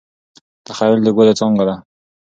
تخیل د ګلو څانګه ده.